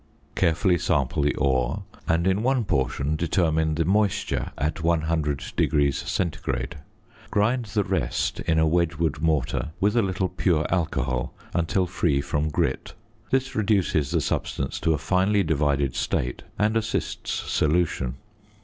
Carefully sample the ore, and in one portion determine the "moisture at 100° C.;" grind the rest in a Wedgwood mortar with a little pure alcohol until free from grit. This reduces the substance to a finely divided state and assists solution.